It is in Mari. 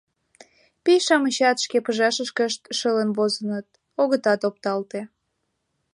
Пий-шамычат шке пыжашышкышт шылын возыныт, огытат опталте.